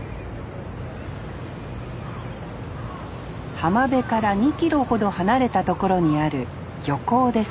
浜辺から２キロほど離れたところにある漁港です